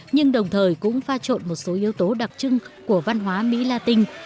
nhưng đồng thời cũng pha trộn một số yếu tố đặc trưng của văn hóa mỹ la tinh